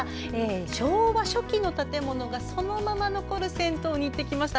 昭和初期の建物がそのまま残る銭湯にお伺いしてきました。